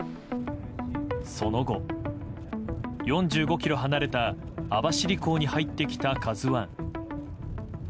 その後、４５ｋｍ離れた網走港に入ってきた、「ＫＡＺＵ１」。